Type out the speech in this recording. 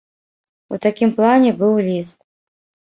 У такім плане быў ліст.